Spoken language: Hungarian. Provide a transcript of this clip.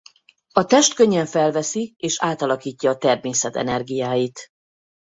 A test könnyen felveszi és átalakítja a természet energiáit.